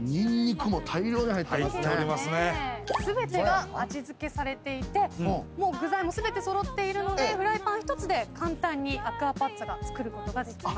全てが味付けされていて具材も全て揃っているのでフライパン一つで簡単にアクアパッツァが作ることができます。